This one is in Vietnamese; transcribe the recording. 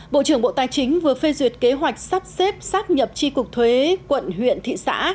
bộ trưởng bộ tài chính vừa phê duyệt kế hoạch sắp xếp sắp nhập tri cục thuế quận huyện thị xã